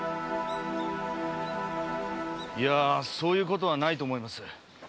いやぁそういう事はないと思います。